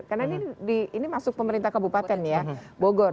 karena ini masuk pemerintah kabupaten ya bogor